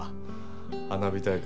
花火大会